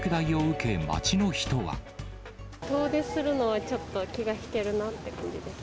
遠出するのはちょっと気が引けるなっていう感じです。